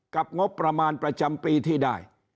งบประมาณประจำปีที่ได้